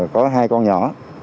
có hai con nhỏ